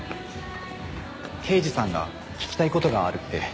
刑事さんが聞きたい事があるって。